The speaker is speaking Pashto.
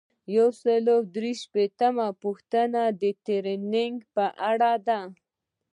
یو سل او درې دیرشمه پوښتنه د ټریننګ په اړه ده.